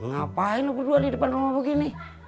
ngapain lo berdua di depan rumah begini